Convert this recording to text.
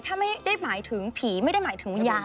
ถ้าไม่ได้หมายถึงผีไม่ได้หมายถึงวิญญาณ